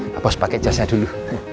pak bos pakai casnya dulu